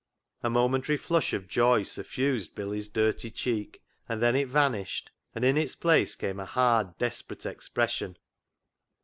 A momentary flush of joy suffused Billy's dirty cheek, and then it vanished, and in its place came a hard, desperate expression.